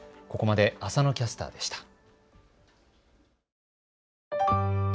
ここまで浅野キャスターでした。